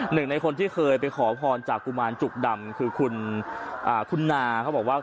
หนึ่งในคนที่เคยไปขอพรจากกุมารจุกดำคือคุณนาเขาบอกว่า